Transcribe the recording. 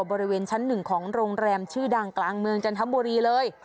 บริเวณชั้นหนึ่งของโรงแรมชื่อดังกลางเมืองจันทบุรีเลย